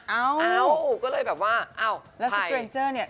เอ้าก็เลยแบบว่าอ้าวแล้วสเตรนเจอร์เนี่ย